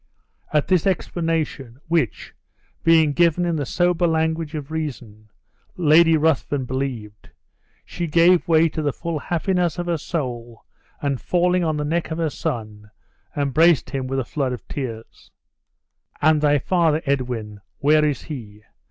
At this explanation, which, being given in the sober language of reason, Lady Ruthven believed, she gave way to the full happiness of her soul, and falling on the neck of her son, embraced him with a flood of tears: "And thy father, Edwin, where is he?